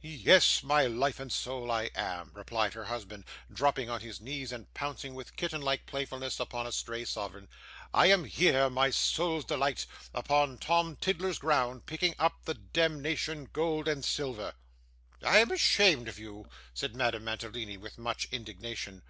'Yes, my life and soul, I am,' replied her husband, dropping on his knees, and pouncing with kitten like playfulness upon a stray sovereign. 'I am here, my soul's delight, upon Tom Tiddler's ground, picking up the demnition gold and silver.' 'I am ashamed of you,' said Madame Mantalini, with much indignation.